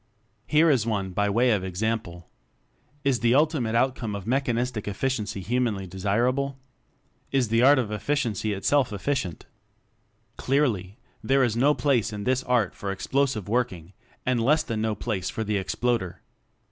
Here is one, by way of example: Is the ultimate outcome of mechan istic efficiency humanly desirable? Is the Art of Efficiency itself efficientr Clearly, there is no place in this "Art" for "Explosive" working; and less than no place for the "Exploder."